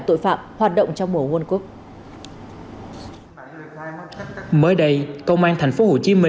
tội phạm hoạt động trong mùa world cuốc mới đây công an tp hcm